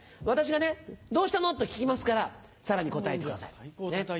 私が「どうしたの？」と聞きますからさらに答えてください。